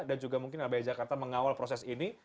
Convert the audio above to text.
dan juga mungkin lbh jakarta mengawal proses ini